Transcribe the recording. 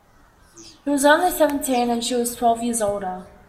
He was only seventeen and she was twelve years older.